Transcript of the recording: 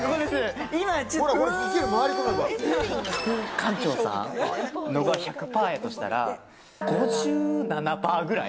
館長さんのが１００パーやとしたら、５７パーぐらい。